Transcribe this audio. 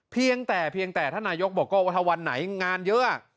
เพียงแต่เพียงแต่ท่านนายกบอกก็ว่าถ้าวันไหนงานเยอะ